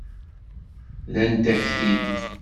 Rrant-ak-t-id.